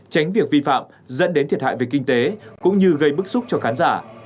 tránh việc vi phạm dẫn đến thiệt hại về kinh tế cũng như gây bức xúc cho khán giả